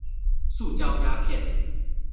塑膠鴉片